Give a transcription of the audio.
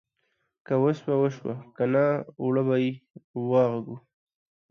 که وسوه خو وسوه ، که نه اوړه به په واغږو.